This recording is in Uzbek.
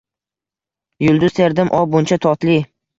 Yulduz terdim, o, buncha totli!